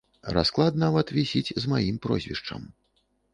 Расклад нават вісіць з маім прозвішчам.